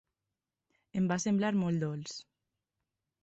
Em va semblar molt dolç.